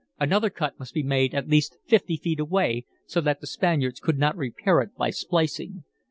Another cut must be made at least fifty feet away, so that the Spaniards could not repair it by splicing.